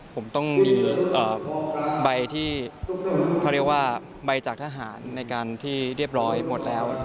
ผมต้องมีใบที่เขาเรียกว่าใบจากทหารในการที่เรียบร้อยหมดแล้ว